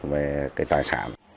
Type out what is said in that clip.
về tài sản